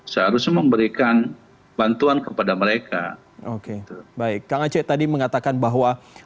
seharusnya memberikan bantuan kepada mereka oke baik kang aceh tadi mengatakan bahwa